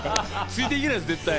ついていけないです、絶対。